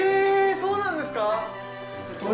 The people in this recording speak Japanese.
そうなんですか？